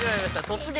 「突撃！